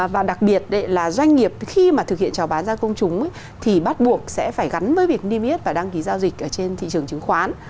và đặc biệt là doanh nghiệp khi mà thực hiện trào bán ra công chúng thì bắt buộc sẽ phải gắn với việc niêm yết và đăng ký giao dịch ở trên thị trường chứng khoán